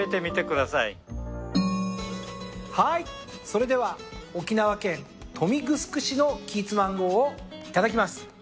それでは沖縄県豊見城市のキーツマンゴーをいただきます。